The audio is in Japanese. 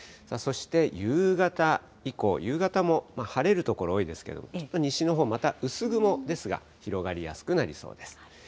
そして夕方以降、夕方も晴れる所多いですけれども、西のほう、また、薄雲ですが、広がりやすくなりそうです。